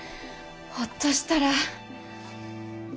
ほっとしたら。